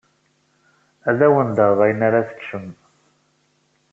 Ad awen-d-aɣeɣ ayen ara teččem.